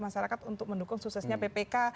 masyarakat untuk mendukung suksesnya ppk